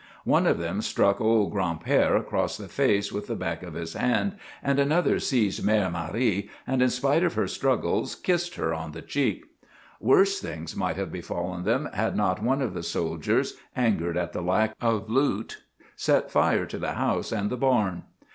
One of them struck old Gran'père across the face with the back of his hand and another seized Mère Marie and, in spite of her struggles, kissed her on the cheek. Worse things might have befallen them had not one of the soldiers, angered at the lack of loot, set fire to the house and the barn.